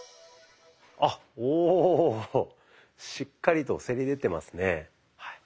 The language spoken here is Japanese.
おおしっかりとせり出てますね。